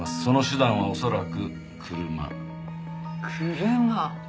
その手段は恐らく車。